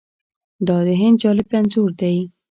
دا د هند جالب انځور دی.